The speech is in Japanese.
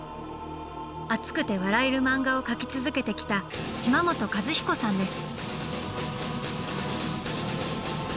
熱くて笑える漫画を描き続けてきた島本和彦さんです！